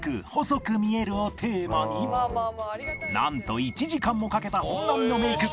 「細く見える」をテーマになんと１時間もかけた本並のメイク